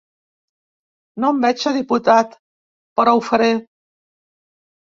No em veig de diputat però ho faré.